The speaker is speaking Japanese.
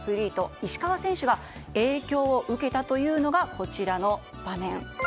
石川選手が影響を受けたというのが、こちらの場面。